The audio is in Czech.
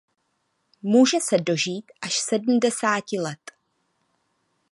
Může se dožít až sedmdesáti let.